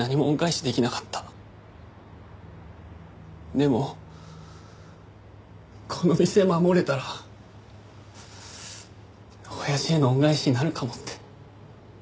でもこの店守れたらおやじへの恩返しになるかもって。